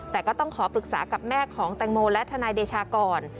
แต่ก็ต้องขอปรึกษากับแม่ของแตงโมและทนายเดชาก่อน